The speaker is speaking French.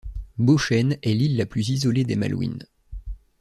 Beauchêne est l'île la plus isolée des Malouines.